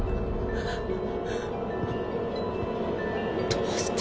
どうして。